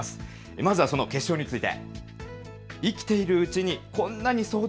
まずはその決勝について。